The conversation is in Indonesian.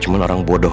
cuman orang bodohnya